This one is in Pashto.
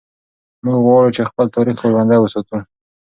موږ غواړو چې خپل تاریخ ژوندی وساتو.